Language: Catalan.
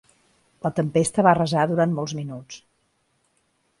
La tempesta va arrasar durant molts minuts.